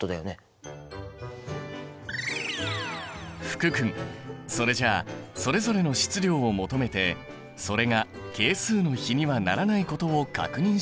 福君それじゃあそれぞれの質量を求めてそれが係数の比にはならないことを確認していこう。